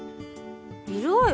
いるわよ